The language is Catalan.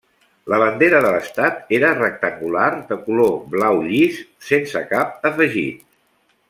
La bandera de l'estat era rectangular de color blau llis, sense cap afegit.